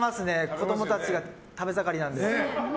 子供たちが食べ盛りなので。